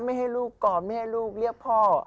ไม่ให้ลูกกอดไม่ให้ลูกเรียกพ่อ